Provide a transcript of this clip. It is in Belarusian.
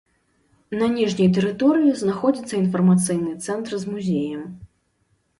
На ніжняй тэрыторыі знаходзіцца інфармацыйны цэнтр з музеем.